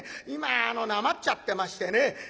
今あのなまっちゃってましてね。